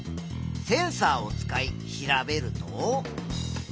センサーを使い調べると。